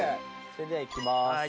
それではいきます。